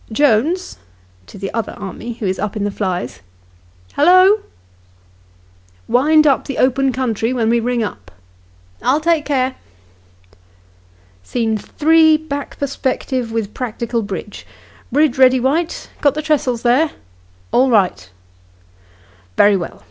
" Jones " [to the other army who is up in the flies]. " Hallo !"" Wind up the open country when we ring up." " I'll take care." "Scene 3, back perspective with practical bridge. Bridge ready, White ? Got the tressels there ?"" All right." " Very well.